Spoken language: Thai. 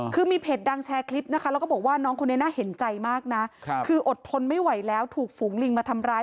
คือมีเพจดังแชร์คลิปนะคะแล้วก็บอกว่าน้องคนนี้น่าเห็นใจมากนะคืออดทนไม่ไหวแล้วถูกฝูงลิงมาทำร้าย